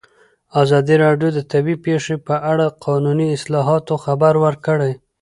ازادي راډیو د طبیعي پېښې په اړه د قانوني اصلاحاتو خبر ورکړی.